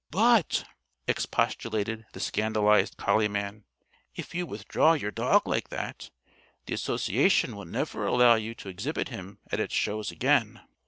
"But," expostulated the scandalized collie man, "if you withdraw your dog like that, the Association will never allow you to exhibit him at its shows again."